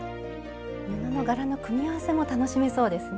布の柄の組み合わせも楽しめそうですね。